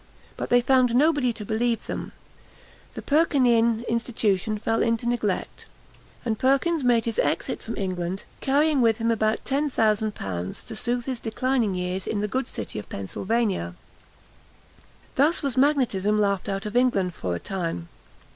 But they found nobody to believe them; the Perkinean institution fell into neglect; and Perkins made his exit from England, carrying with him about ten thousand pounds, to soothe his declining years in the good city of Pennsylvania. Thus was magnetism laughed out of England for a time.